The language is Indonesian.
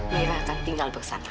mira akan tinggal bersama kami